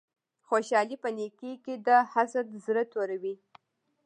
خوشحالی په نیکې کی ده حسد زړه توروی